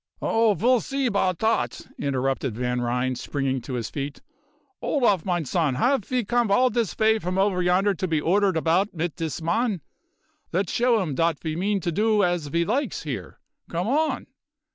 "Ah! ve'll see about dot," interrupted Van Ryn, springing to his feet. "Olaf, mine zon, haf ve comed all dis vay from over yonder to be ordered about mit dis man? Let's show 'im dot ve means to do as ve likes here. Come on!"